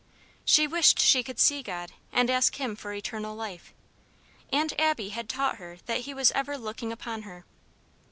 She wished she could see God, and ask him for eternal life. Aunt Abby had taught her that He was ever looking upon her.